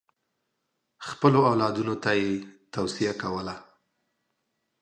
خپلو اولادونو ته یې توصیه کوله.